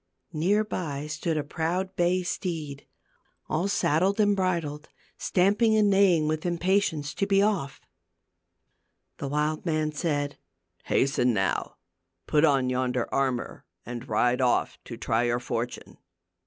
Near by stood a proud bay steed, all saddled and bridled, stamping and neighing with im 268 THE GLASS MOUNTAIN. patience to be off. The wild man said, " Hasten, now ; put on yonder armor and ride off to try your fortune.